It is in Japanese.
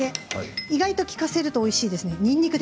意外と利かせるとおいしいですよにんにく。